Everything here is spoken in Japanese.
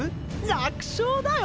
楽勝だよ